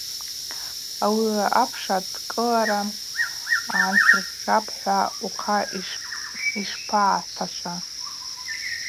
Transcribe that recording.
Ауи апш адкӏылара гӏансыршапӏ-хӏва ухъа йшпагӏаташва?